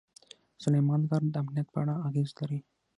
سلیمان غر د امنیت په اړه اغېز لري.